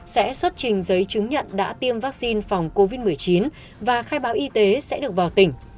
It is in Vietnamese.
sẽ xuất trình giấy chứng nhận đã tiêm vaccine phòng covid một mươi chín và khai báo y tế sẽ được vào tỉnh